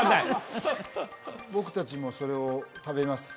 僕達もそれを食べます？